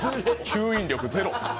吸引力ゼロ。